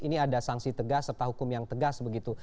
ini ada sanksi tegas serta hukum yang tegas begitu